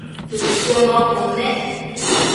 tsësio maucud nec